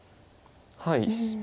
はい。